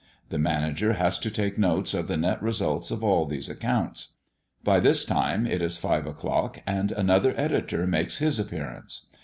The manager has to take notes of the net results of all these accounts. By this time, it is five o'clock, and another editor makes his appearance.